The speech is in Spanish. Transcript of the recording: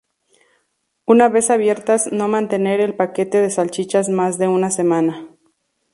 Una vez abiertas no mantener el paquete de salchichas más de una semana.